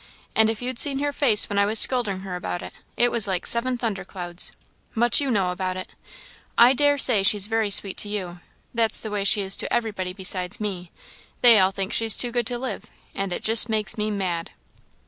And if you'd seen her face when I was scolding her about it! it was like seven thunderclouds. Much you know about it! I dare say she's very sweet to you; that's the way she is to everybody beside me; they all think she's too good to live; and it just makes me mad!"